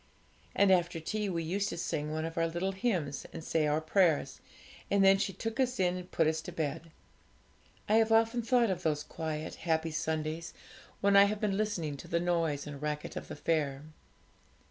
And after tea we used to sing one of our little hymns and say our prayers, and then she took us in and put us to bed. I have often thought of those quiet, happy Sundays when I have been listening to the noise and racket of the fair.